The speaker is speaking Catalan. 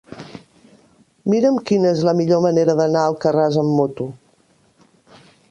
Mira'm quina és la millor manera d'anar a Alcarràs amb moto.